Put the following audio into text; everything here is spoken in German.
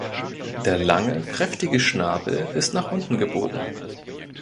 Der lange kräftige Schnabel ist nach unten gebogen.